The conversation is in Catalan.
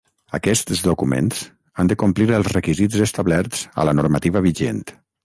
Aquests documents han de complir els requisits establerts a la normativa vigent.